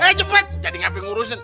eh cepet jadi ngapain ngurusin